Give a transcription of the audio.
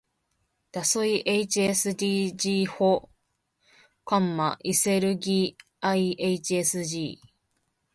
だそい ｈｓｄｇ ほ；いせるぎ ｌｈｓｇ